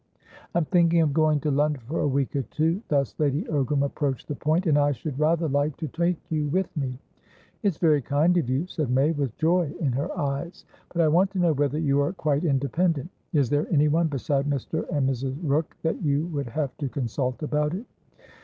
"I'm thinking of going to London for a week or two" thus Lady Ogram approached the point"and I should rather like to take you with me." "It's very kind of you," said May, with joy in her eyes. "But I want to know whether you are quite independent. Is there anyonebeside Mr. and Mrs. Rooke that you would have to consult about it?"